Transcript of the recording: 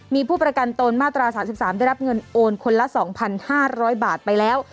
มีผู้ประกันตนมาตรา๓๓ได้รับเงินโอนคนละ๒๕๐๐บาทไปแล้ว